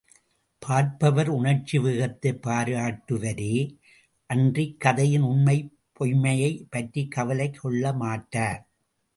பார்ப்பவர் உணர்ச்சி வேகத்தைப் பாராட்டுவரே அன்றிக் கதையின் உண்மை பொய்மையைப் பற்றிக் கவலைக் கொள்ளமாட்டார்.